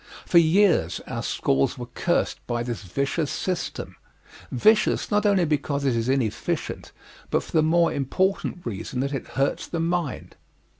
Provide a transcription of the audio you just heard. For years our schools were cursed by this vicious system vicious not only because it is inefficient but for the more important reason that it hurts the mind.